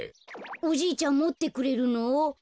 おじいちゃんもってくれるの？